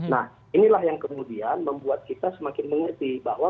nah inilah yang kemudian membuat kita semakin mengerti bahwa